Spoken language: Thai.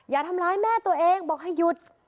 อย่าทำร้ายแม่ตัวเองบอกให้หยุด